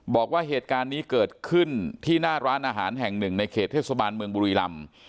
บอกว่าเหตุการณ์นี้เกิดขึ้นที่หน้าร้านอาหารแห่งหนึ่งในเขตเทศบาลเมืองบุรีรำ